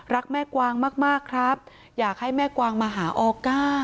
รักแม่กวางมากมากครับอยากให้แม่กวางมาหาออก้า